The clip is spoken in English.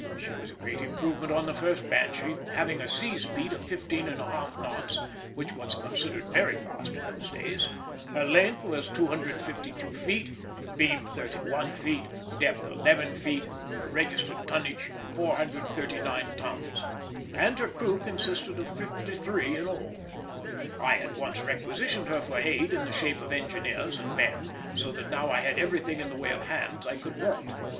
She was a great improvement on the first Banshee, having a sea speed of 15 1/2 knots, which was considered very fast in those days; her length was 252 feet, beam 31 feet, depth 11 feet, her registered tonnage 439 tons, and her crew consisted of fifty three in all. I at once requisitioned her for aid in the shape of engineers and men, so that now I had everything in the way of hands I could want.